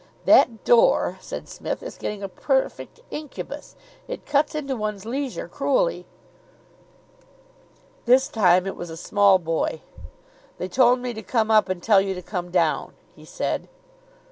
"That door," said Psmith, "is getting a perfect incubus! It cuts into one's leisure cruelly." This time it was a small boy. "They told me to come up and tell you to come down," he said.